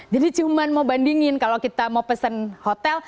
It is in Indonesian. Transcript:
jadi cuma mau bandingin kalau kita mau pesen hotel